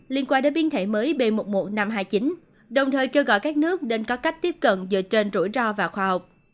liên quan đến biến thể mới b một mươi một nghìn năm trăm hai mươi chín đồng thời kêu gọi các nước nên có cách tiếp cận dựa trên rủi ro và khoa học